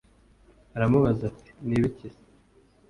aramubaza ati “ni ibiki se?